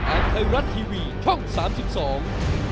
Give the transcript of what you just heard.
อาทิตย์ไทยรัตน์ทีวีช่อง๓๒